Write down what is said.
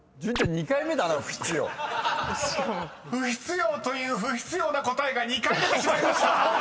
２回目だな「不必要」［「不必要」という不必要な答えが２回出てしまいました！］